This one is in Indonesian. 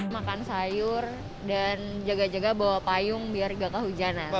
makan sayur dan jaga jaga bawa payung biar gak kehujanan